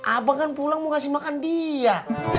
abang kan pulang mau kasih makan dia